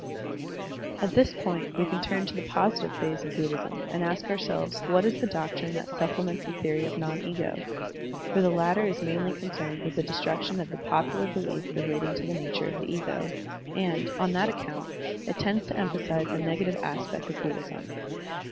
At this point we can turn to the positive phase of Buddhism and ask ourselves what is the doctrine that supplements the theory of non ego; for the latter is mainly concerned with the destruction of the popular belief relating to the nature of the ego, and, on that accoimt, it tends to emphasize the negative aspect of Digitized by Google ASSERTIONS AND DENIALS 47 Buddhism.